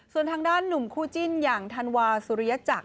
ส่วนทางด้านหนุ่มคู่จิ้นอย่างธันวาสุริยจักร